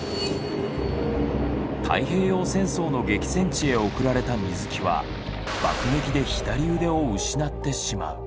太平洋戦争の激戦地へ送られた水木は爆撃で左腕を失ってしまう。